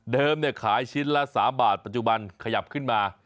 ขายชิ้นละ๓บาทปัจจุบันขยับขึ้นมา